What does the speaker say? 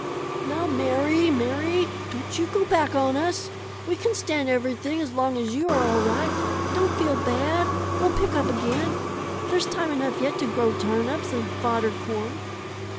"Now, Mary, Mary! Don't you go back on us. We can stand everything as long as you are all right. Don't feel bad! We'll pick up again. There's time enough yet to grow turnips and fodder corn."